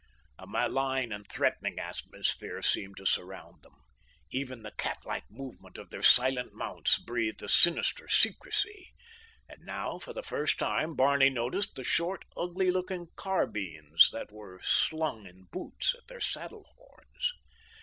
A malign and threatening atmosphere seemed to surround them. Even the cat like movement of their silent mounts breathed a sinister secrecy, and now, for the first time, Barney noticed the short, ugly looking carbines that were slung in boots at their saddle horns.